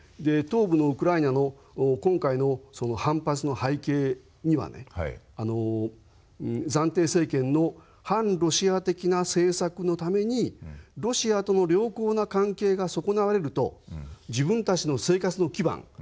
東部ウクライナの今回の反発の背景には暫定政権の反ロシア的な政策のためにロシアとの良好な関係が損なわれると自分たちの生活の基盤